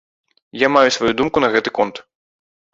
Я маю сваю думку на гэты конт.